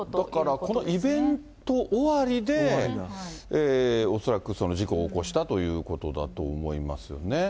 だからこのイベント終わりで、恐らくその事故を起こしたということだと思いますね。